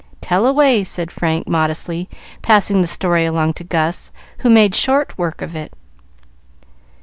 "Tell away," said Frank, modestly passing the story along to Gus, who made short work of it.